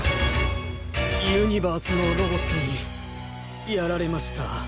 ユニバースのロボットにやられました。